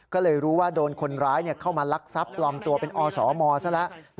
ก็เลยรู้ว่าโดนคนร้ายเข้ามาลักทรัพย์ปลอมตัวเป็นอสมซะแล้ว